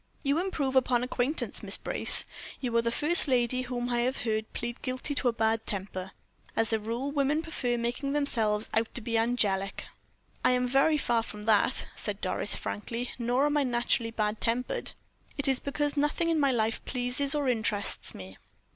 "You improve upon acquaintance, Miss Brace. You are the first lady whom I have heard plead guilty to bad temper. As a rule, women prefer making themselves out to be angelic." "I am very far from that," said Doris, frankly; "nor am I naturally bad tempered. It is because nothing in my life pleases or interests me."